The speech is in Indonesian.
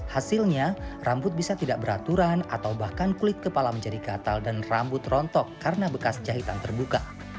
hasilnya rambut bisa tidak beraturan atau bahkan kulit kepala menjadi gatal dan rambut rontok karena bekas jahitan terbuka